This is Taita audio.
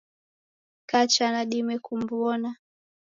Kacha nadime kumwona